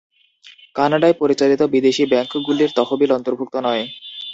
কানাডায় পরিচালিত বিদেশী ব্যাংকগুলির তহবিল অন্তর্ভুক্ত নয়।